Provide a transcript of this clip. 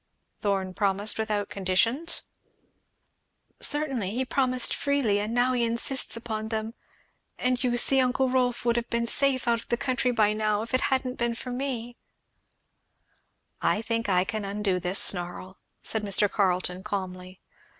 "Thorn promised without conditions?" "Certainly he promised freely and now he insists upon them; and you see uncle Rolf would have been safe out of the country now, if it hadn't been for me " "I think I can undo this snarl," said Mr. Carleton calmly.